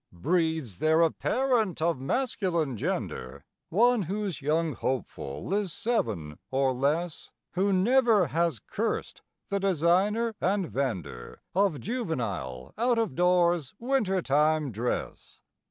Breathes there a parent of masculine gender, One whose young hopeful is seven or less, Who never has cursed the designer and vender Of juvenile out of doors winter time dress?